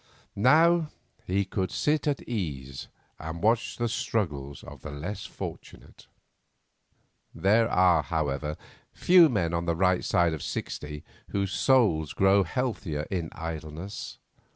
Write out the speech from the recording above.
Now he could sit at ease and watch the struggles of others less fortunate. There are, however, few men on the right side of sixty whose souls grow healthier in idleness.